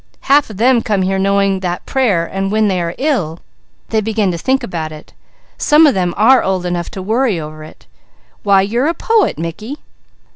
Half of them come here knowing that prayer and when they are ill, they begin to think about it. Some of them are old enough to worry over it. Why you're a poet, Mickey!"